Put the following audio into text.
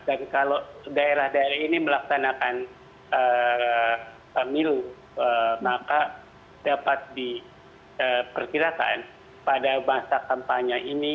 dan kalau daerah daerah ini melaksanakan mil maka dapat diperkirakan pada masa kampanye ini